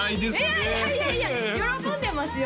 いやいやいやいや喜んでますよ